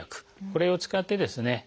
これを使ってですね